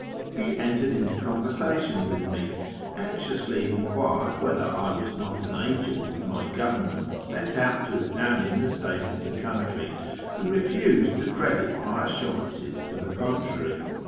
He entered into conversation with me, anxiously enquired whether I was not an agent of my government sent out to examine the state of the country, and refused to credit my assurances to the contrary.